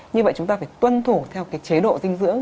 như vậy chúng ta phải tuân thủ theo cái chế độ dinh dưỡng